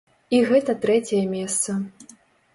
І гэта трэцяе месца.